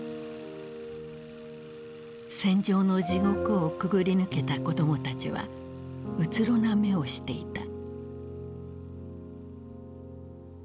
戦場の地獄をくぐり抜けた子供たちはうつろな目をしていた。